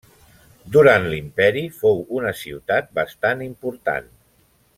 Durant l'imperi fou una ciutat bastant important.